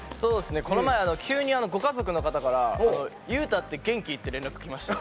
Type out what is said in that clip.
この前急にご家族の方から「ユウタって元気？」って連絡きました。